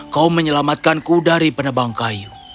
kau menyelamatkanku dari penebang kayu